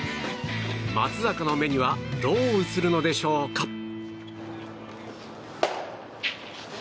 松坂の目にはどう映るのでしょうか。